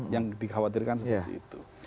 yang dikhawatirkan seperti itu